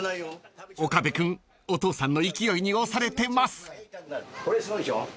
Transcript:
［岡部君お父さんの勢いに押されてます］